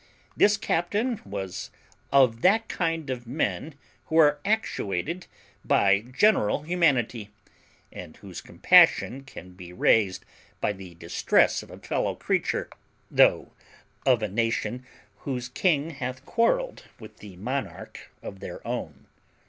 This captain was of that kind of men who are actuated by general humanity, and whose compassion can be raised by the distress of a fellow creature, though of a nation whose king hath quarrelled with the monarch of their own.